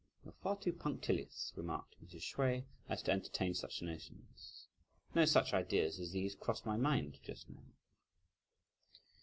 "You're far too punctilious," remarked Mrs. Hsüeh, "as to entertain such notions! No such ideas as these crossed my mind just now."